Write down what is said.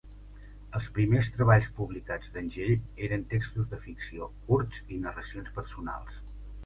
Els primers treballs publicats d'Angell eren textos de ficció curts i narracions personals.